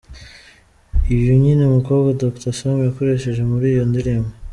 Uyu niwe mukobwa Dr Sam yakoresheje muri iyo ndirimbo.